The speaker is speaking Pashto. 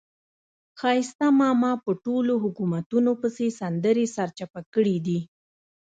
ښایسته ماما په ټولو حکومتونو پسې سندرې سرچپه کړې دي.